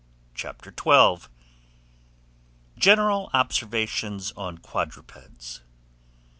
CHAPTER XII. GENERAL OBSERVATIONS ON QUADRUPEDS.